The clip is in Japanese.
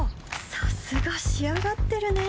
さすが仕上がってるね